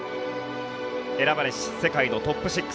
選ばれし世界のトップ６。